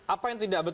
apa yang tidak betul